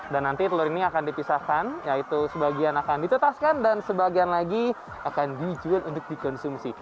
dan nanti telur ini akan dipisahkan yaitu sebagian akan ditetaskan dan sebagian lagi akan dijual untuk dikonsumsi